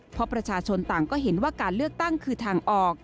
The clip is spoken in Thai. เพราะประชาชนต่างก็เห็นว่าการเลือกตั้งคือทางออก